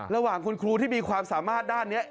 ระหว่างคุณครูที่มีความสามารถด้านนี้